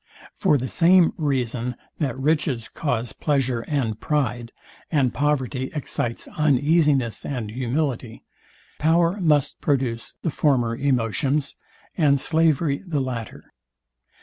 For the same reason, that riches cause pleasure and pride, and poverty excites uneasiness and humility, power must produce the former emotions, and slavery the latter.